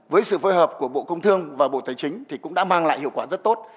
với sự phối hợp của bộ công thương và bộ tài chính thì cũng đã mang lại hiệu quả rất tốt